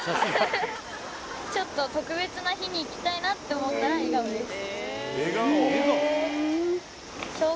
ちょっと特別な日に行きたいなって思ったらエガオです